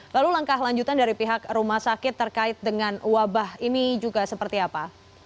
lalu langkah lanjutan dari pihak rumah sakit terkait dengan wabah ini juga seperti apa